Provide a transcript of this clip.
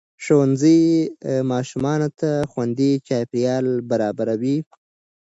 ښوونځی ماشومانو ته خوندي چاپېریال برابروي